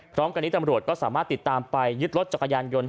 พร้อมกันนี้ตำรวจก็สามารถติดตามไปยึดรถจักรยานยนต์